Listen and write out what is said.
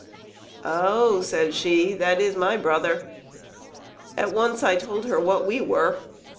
"Oh," said she, "that is my brother!" At once I told her what we were.